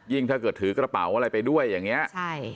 ถ้าเกิดถือกระเป๋าอะไรไปด้วยอย่างนี้ใช่